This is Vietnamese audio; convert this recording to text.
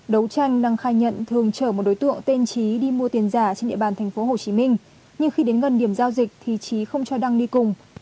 đấu tranh năng khai nhận thường chở một đối tượng tên trí đi mua tiền giả trên địa bàn tp hcm nhưng khi đến gần điểm giao dịch thì trí không cho đăng đi cùng